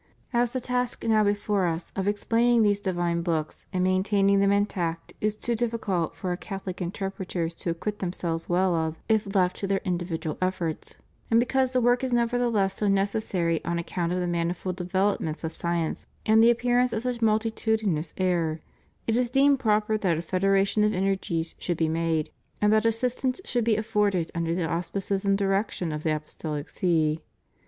As the task now before Us of explaining these divine books and main taining them intact is too difficult for Our Catholic inter preters to acquit themselves well of, if left to their indi vidual efforts, and because the work is nevertheless so necessary on account of the manifold developments of science and the appearance of such multitudinous error, it is deemed proper that a federation of energies should be made, and that assistance should be afforded under the auspices and direction of the Apostohc See.